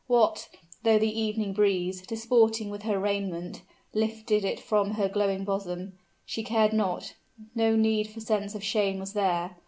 What, though the evening breeze, disporting with her raiment, lifted it from her glowing bosom? she cared not; no need for sense of shame was there!